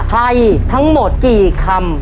ไทยทั้งหมดกี่คำ